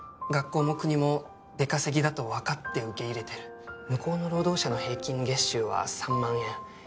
学校も国も出稼ぎだと分かって受け入れてる向こうの労働者の平均月収は３万円